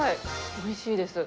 おいしいです。